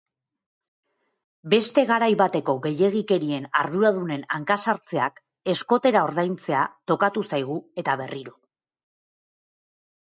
Beste garai bateko gehiegikerien arduradunen hanka-sartzeak, eskotera ordaintzea tokatu zaigu eta berriro.